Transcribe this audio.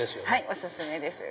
お薦めです。